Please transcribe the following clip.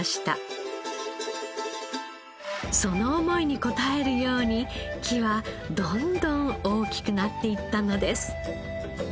その思いに応えるように木はどんどん大きくなっていったのです。